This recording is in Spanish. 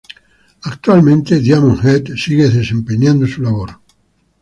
Actualmente, Diamond Head siguen desempeñando su labor.